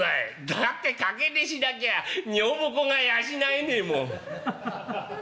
「だって掛値しなきゃ女房子が養えねえもん」。